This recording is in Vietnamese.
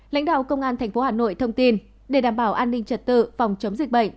lãnh đạo công an tp hà nội thông tin để đảm bảo an ninh trật tự phòng chống dịch bệnh